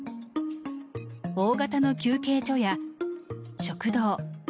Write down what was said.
大型の休憩所や食堂